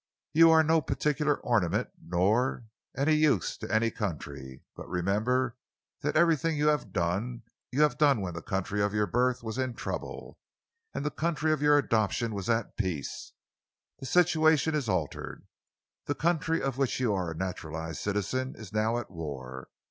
You are no particular ornament nor any use to any country, but remember that everything you have done, you have done when the country of your birth was in trouble and the country of your adoption was at peace. The situation is altered. The country of which you are a naturalised citizen is now at war.